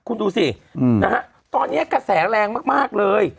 คุณดูสินะฮะตอนนี้กระแสแรงมากเลย